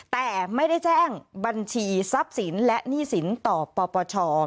แต่ไม่ได้แจ้งบัญชีทรัพย์สินและหนี้สินต่อปปช